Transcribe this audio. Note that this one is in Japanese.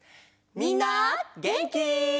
みんなげんき？